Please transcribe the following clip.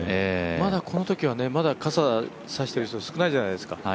まだこのときは傘差している人少ないじゃないですか。